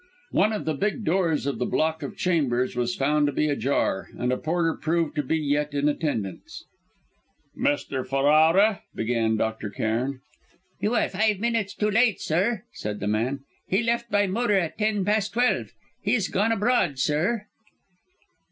One of the big doors of the block of chambers was found to be ajar, and a porter proved to be yet in attendance. "Mr. Ferrara?" began Dr. Cairn. "You are five minutes too late, sir," said the man. "He left by motor at ten past twelve. He's gone abroad, sir."